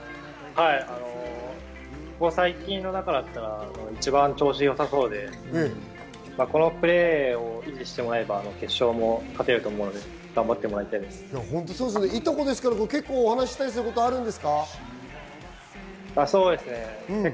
ここ最近の中だったら一番調子良さそうで、このプレーを維持してもらえれば決勝も勝てると思うので頑張てもいとこですから結構、話したそうですね。